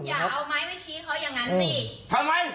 วางทำไมต้องวาง